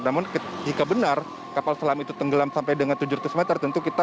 namun jika benar kapal selam itu tenggelam sampai dengan tujuh ratus meter